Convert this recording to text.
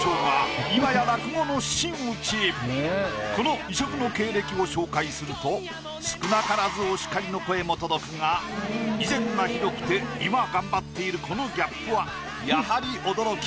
この異色の経歴を紹介すると少なからずお叱りの声も届くが以前がひどくて今頑張っているこのギャップはやはり驚き。